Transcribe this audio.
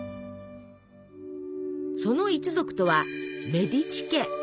その一族とは「メディチ家」。